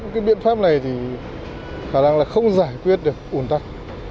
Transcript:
cái biện pháp này thì khả năng là không giải quyết được ủn tắc